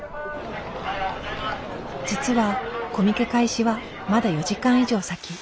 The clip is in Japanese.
実はコミケ開始はまだ４時間以上先。